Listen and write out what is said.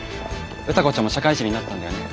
歌子ちゃんも社会人になったんだよね。